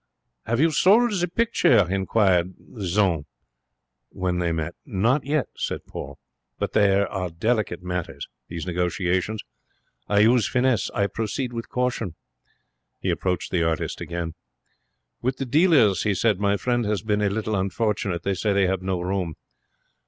'Have you yet sold the picture?' inquired Jeanne, when they met. 'Not yet,' said Paul. 'But they are delicate matters, these negotiations. I use finesse. I proceed with caution.' He approached the artist again. 'With the dealers,' he said, 'my friend has been a little unfortunate. They say they have no room.'